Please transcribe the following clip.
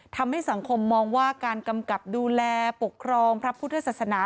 ทำให้สังคมมองว่าการกำกับดูแลปกครองพระพุทธศาสนา